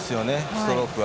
ストロークが。